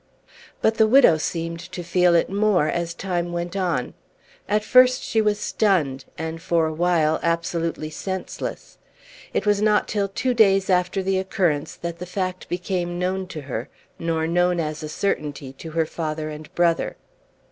But the widow seemed to feel it more as time went on. At first she was stunned, and for a while absolutely senseless. It was not till two days after the occurrence that the fact became known to her, nor known as a certainty to her father and brother.